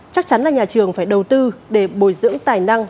chắc chắn là nhà trường phải đầu tư để bồi dưỡng tài năng